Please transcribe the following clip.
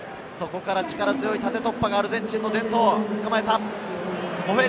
そこから力強い縦突破がアルゼンチンの伝統。